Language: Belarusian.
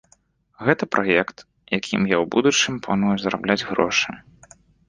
Гэта праект, якім я ў будучым планую зарабляць грошы.